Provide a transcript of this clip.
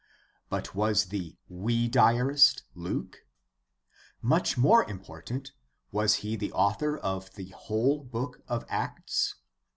But was the we diarist Luke? Much more important, was he the author of the whole Book of Acts